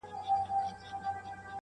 مرګه یو ګړی مو پرېږده چي هوسا سو -